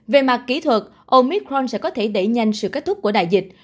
về mặt kỹ thuật omitron sẽ có thể đẩy nhanh sự kết thúc của đại dịch